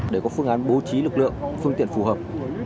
để có phương án bố trí lực lượng phương tiện phù hợp